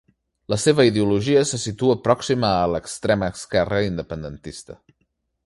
La seva ideologia se situa pròxima a l'extrema esquerra independentista.